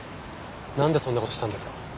なんでそんな事したんですか？